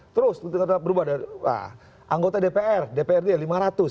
terus berubah dari anggota dpr dpr dia lima ratus